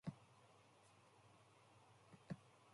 The album heralded a new era for Williams.